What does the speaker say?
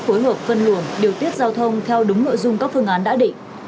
phối hợp phân luồng điều tiết giao thông theo đúng nội dung các phương án đã định